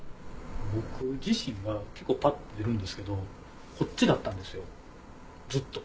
僕自身は結構パッて出るんですけどこっちだったんですよずっと。